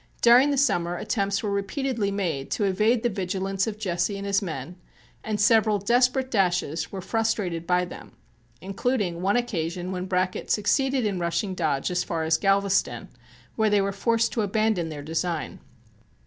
During the summer attempts were repeatedly made to evade the vigilance of Jesse and his men and several desperate dashes were frustrated by them, including one occasion when Bracken succeeded in rushing Dodge as far as Galveston, where they were forced to abandon their design.